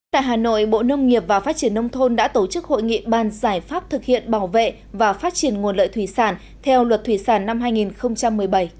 tại hà nội bộ nông nghiệp và phát triển nông thôn đã tổ chức hội nghị bàn giải pháp thực hiện bảo vệ và phát triển nguồn lợi thủy sản theo luật thủy sản năm hai nghìn một mươi bảy